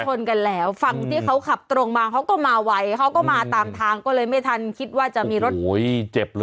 ชนกันแล้วฝั่งที่เขาขับตรงมาเขาก็มาไวเขาก็มาตามทางก็เลยไม่ทันคิดว่าจะมีรถเจ็บเลย